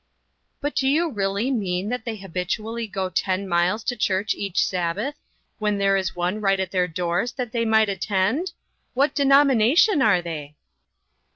" But do you really mean that they hab itually go ten miles to church each Sabbath, when there is one right at their doors that they might attend ? What denomination are they